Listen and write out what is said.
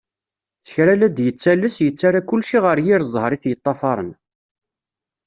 S kra la d-yettales, yettarra kulci ɣer yir ẓẓher i t-yeṭṭafaren.